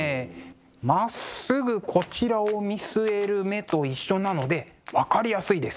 まっすぐこちらを見据える目と一緒なので分かりやすいです。